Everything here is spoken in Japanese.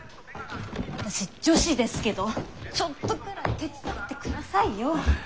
私女子ですけどちょっとくらい手伝ってくださいよ。